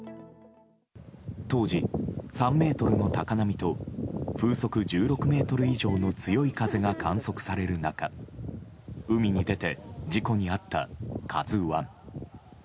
当時、３ｍの高波と風速１６メートル以上の強い風が観測される中海に出て事故に遭った「ＫＡＺＵ１」。